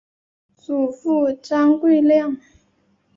祖父张贵谅。